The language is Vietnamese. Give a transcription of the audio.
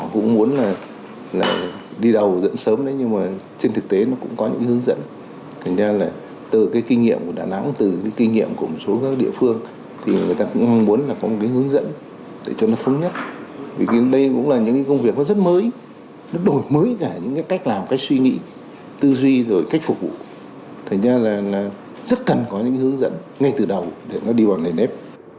tư duy rồi cách phục vụ thực ra là rất cần có những hướng dẫn ngay từ đầu để nó đi hoàn thành đẹp